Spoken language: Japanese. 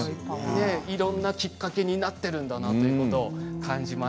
いろんなきっかけになっているんだなということを感じました。